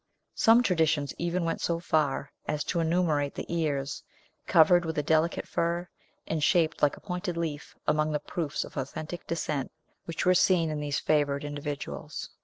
Some traditions even went so far as to enumerate the ears, covered with a delicate fur, and shaped like a pointed leaf, among the proofs of authentic descent which were seen in these favored individuals.